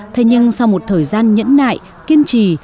thế nhưng sau một thời gian nhẫn nại kiên trì